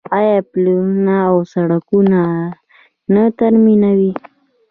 آیا پلونه او سړکونه نه ترمیموي؟